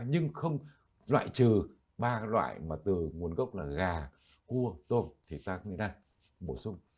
nhưng không loại trừ ba loại mà từ nguồn gốc là gà cua tôm thì ta không nên ăn bổ sung